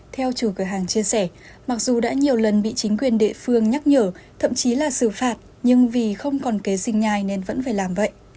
theo chủ cửa hàng chia sẻ mặc dù đã nhiều lần bị chính quyền địa phương nhắc nhở thậm chí là xử phạt nhưng vì không còn kế sinh nhai nên vẫn phải làm vậy